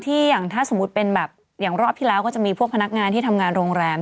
อย่างถ้าสมมุติเป็นแบบอย่างรอบที่แล้วก็จะมีพวกพนักงานที่ทำงานโรงแรม